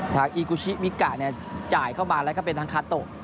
อีกุชิมิกะจ่ายเข้ามาแล้วก็เป็นทางคาโตะ